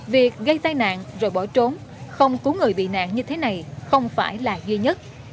việc gây tai nạn rồi bỏ trốn không cứu người bị nạn như thế này không phải là duy nhất